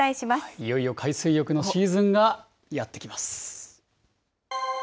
いよいよ海水浴のシーズンがやって来ます。